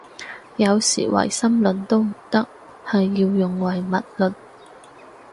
有時唯心論都唔得，係要用唯物論